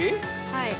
はい。